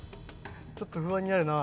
ちょっと不安になるな。